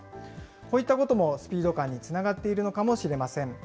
こういったこともスピード感につながっているのかもしれません。